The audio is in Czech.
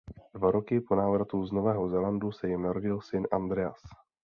Dva roky po návratu z Nového Zélandu se jim narodil syn Andreas.